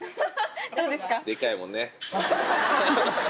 どうですか？